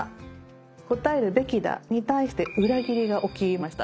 「答えるべきだ」に対して裏切りがおきました。